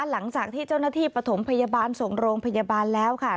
หลังจากที่เจ้าหน้าที่ปฐมพยาบาลส่งโรงพยาบาลแล้วค่ะ